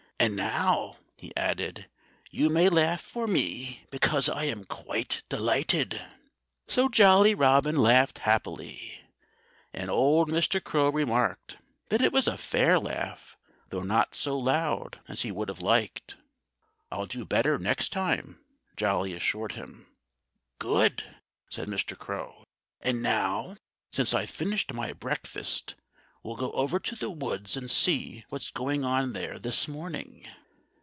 "And now," he added, "you may laugh for me, because I am quite delighted." So Jolly Robin laughed happily. And old Mr. Crow remarked that it was a fair laugh, though not so loud as he would have liked. "I'll do better next time," Jolly assured him. "Good!" said Mr. Crow. "And now, since I've finished my breakfast, we'll go over to the woods and see what's going on there this morning."